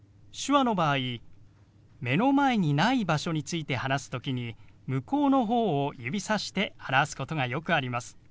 手話の場合目の前にない場所について話す時に向こうの方を指さして表すことがよくあります。